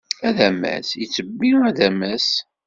Adamas yettebbi adamas.